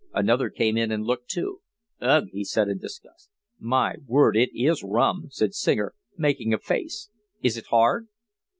Another came in and looked too. "Ugh," he said, in disgust. "My word, it is rum," said Singer, making a face. "Is it hard?"